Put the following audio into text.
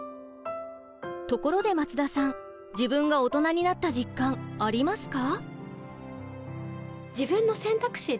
ところで松田さん自分がオトナになった実感ありますか？